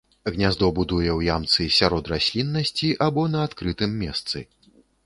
Гняздо будуе ў ямцы сярод расліннасці або на адкрытым месцы.